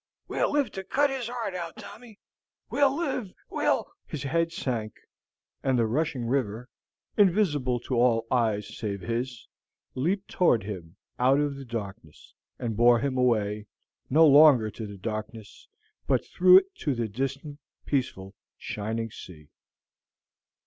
We'll live to cut his heart out, Tommy, we'll live we'll " His head sank, and the rushing river, invisible to all eyes save his, leaped toward him out of the darkness, and bore him away, no longer to the darkness, but through it to the distant, peaceful shining sea.